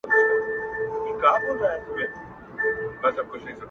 د خاوند ماشوم له وېري په ژړا سو،